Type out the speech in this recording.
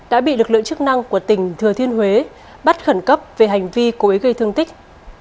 đã bị lực lượng chức năng của tỉnh thừa thiên huế bắt khẩn cấp về hành vi cố ý gây thương tích